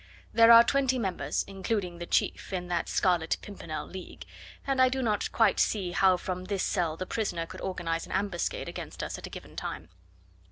There are twenty members including the chief in that Scarlet Pimpernel League, and I do not quite see how from this cell the prisoner could organise an ambuscade against us at a given time.